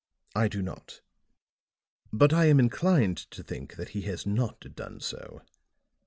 "I do not. But I am inclined to think that he has not done so.